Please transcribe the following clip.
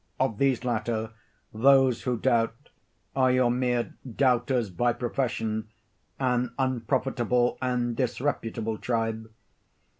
Of these latter, those who doubt, are your mere doubters by profession—an unprofitable and disreputable tribe.